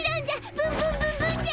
ブンブンブンブンじゃ！